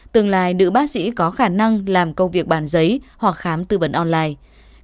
tương lai nữ bác sĩ có khả năng làm công việc bàn giấy hoặc khám tư vấn online